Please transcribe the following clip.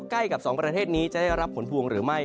ใกล้กับสองประเทศนี้จะได้รับผลพวงหรือไม่